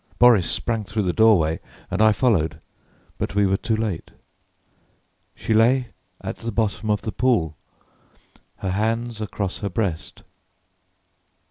Boris sprang through the doorway and I followed; but we were too late. She lay at the bottom of the pool, her hands across her breast.